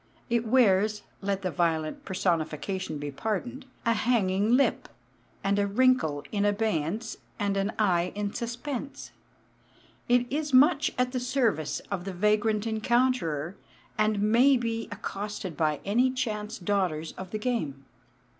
It wears (let the violent personification be pardoned) a hanging lip, and a wrinkle in abeyance, and an eye in suspense. It is much at the service of the vagrant encounterer, and may be accosted by any chance daughters of the game.